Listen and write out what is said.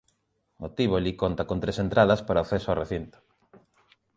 O Tívoli conta con tres entradas para o acceso ao recinto.